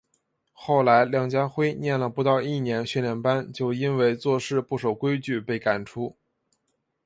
后来梁家辉念了不到一年训练班就因为做事不守规矩被赶出。